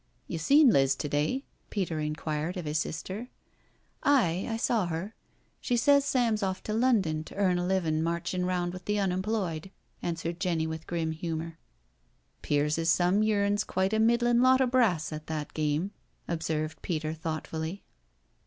"You seen Liz to day?" Peter inquired of his sister, " Aye, I saw her. She says Sam's off to London t'earn a livin' marchin' round with the unemployed," answered Jenny with grim humour. " 'Pears as some yearns quite a middlin' lot o* brass at that game," observed Peter thoughtfully.